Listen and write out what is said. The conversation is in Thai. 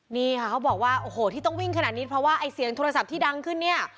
นี่ค่ะเขาบอกว่าโอ้โหที่ต้องวิ่งขนาดนี้เพราะว่าไอ้เสียงโทรศัพท์ที่ดังขึ้นเนี่ย